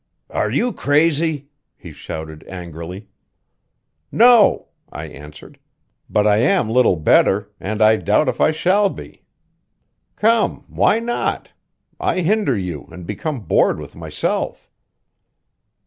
"Are you crazy?" he shouted angrily. "No," I answered; "but I am little better, and I doubt if I shall be. Come why not? I hinder you and become bored with myself."